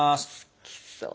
好きそう。